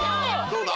どうだ？